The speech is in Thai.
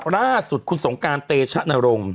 ล่าสุดคุณสงการเตชะนรงค์